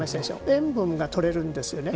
塩分が取れるんですよね。